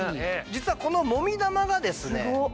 実はこのモミ玉がですね